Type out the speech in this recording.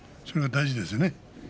それは大事ですね